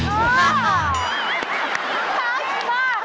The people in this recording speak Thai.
ตาสมาก